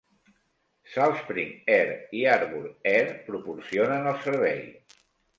Saltspring Air i Harbour Air proporcionen el servei.